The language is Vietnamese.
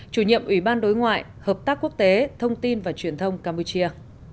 chủ nhiệm ủy ban đối ngoại hợp tác quốc tế thông tin và truyền thông campuchia